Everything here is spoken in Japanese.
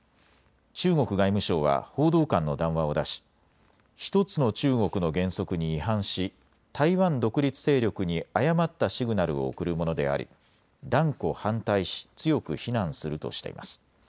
中国外務省は報道官の談話を出し１つの中国の原則に違反し台湾独立勢力に誤ったシグナルを送るものであり、断固反対し強く非難するとしています。